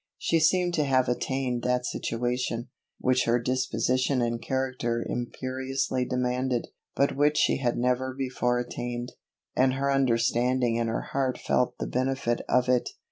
She seemed to have attained that situation, which her disposition and character imperiously demanded, but which she had never before attained; and her understanding and her heart felt the benefit of it.